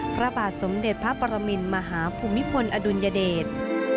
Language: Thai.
พระบาทสมเด็จพระปรมินมหาภูมิพลอดุลยเดช